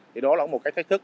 thì đó là một cái thách thức